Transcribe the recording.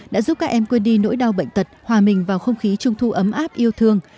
đã giúp các em quên đi nỗi đau bệnh tật hòa mình vào không khí trung thu ấm áp yêu thương